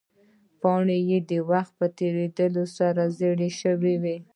پاڼې یې د وخت په تېرېدو سره زیړې شوې وې.